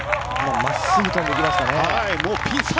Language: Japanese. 真っすぐ飛んできました。